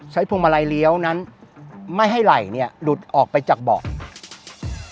พวงมาลัยเลี้ยวนั้นไม่ให้ไหล่เนี่ยหลุดออกไปจากเบาะ